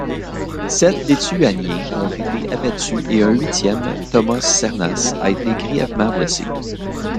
Sept Lituaniens ont été abattus et un huitième, Tomas Šernas, a été grièvement blessé.